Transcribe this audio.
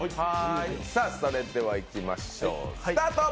それではいきましょうスタート！